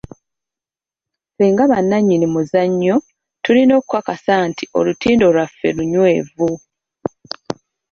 Ffe nga bannannyini muzannyo tulina okukakasa nti olutindo lwaffe lunywevu.